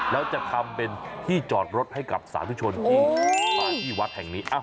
แล้วจะทำเป็นที่จอดรถให้กับสาธุชนที่มาที่วัดแห่งนี้